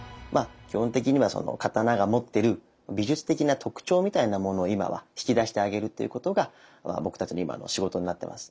基本的にはその刀が持ってる美術的な特徴みたいなものを今は引き出してあげるっていうことが僕たちの今の仕事になってます。